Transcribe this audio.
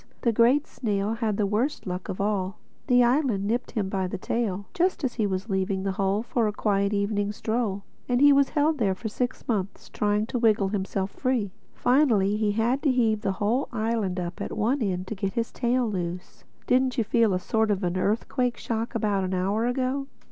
The Great Snail had the worst luck of all: the island nipped him by the tail just as he was leaving the Hole for a quiet evening stroll. And he was held there for six months trying to wriggle himself free. Finally he had to heave the whole island up at one end to get his tail loose. Didn't you feel a sort of an earthquake shock about an hour ago?"